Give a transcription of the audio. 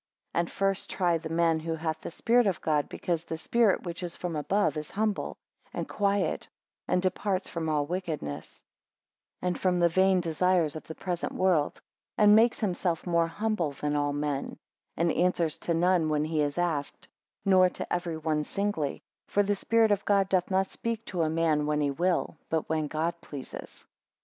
6 And first try the man who hath the spirit of God, because the spirit which is from above is humble, and quiet, and departs from all wickedness; and from the vain desires of the present world; and makes himself more humble than all men; and answers to none when he is asked; nor to every one singly: for the Spirit of God doth not speak to a man when he will, but when God pleases.